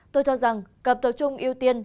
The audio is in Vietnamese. tôi cho rằng cặp tập trung ưu tiên